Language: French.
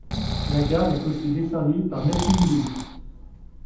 La gare est aussi desservie par neuf lignes de bus.